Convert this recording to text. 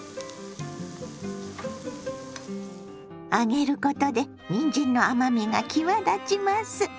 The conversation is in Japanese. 揚げることでにんじんの甘みが際立ちます。